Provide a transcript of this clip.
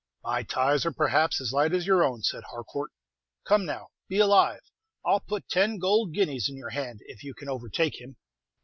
"My ties, are, perhaps, as light as your own," said Harcourt. "Come, now, be alive. I'll put ten gold guineas in your hand if you can overtake him."